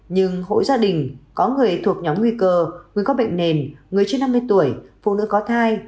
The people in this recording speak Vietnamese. nhưng hộ gia đình có người thuộc nhóm nguy cơ người có bệnh nền người trên năm mươi tuổi phụ nữ có thai